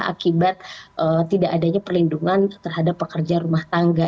akibat tidak adanya perlindungan terhadap pekerja rumah tangga